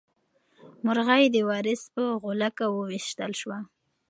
مرغۍ د وارث په غولکه وویشتل شوه.